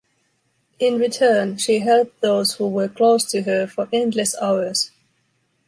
In return, she helped those who were close to her for endless hours